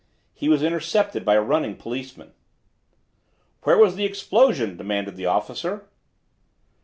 He was intercepted by a running policeman. "Where was the explosion?" demanded the officer.